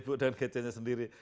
sibuk dengan gadgetnya sendiri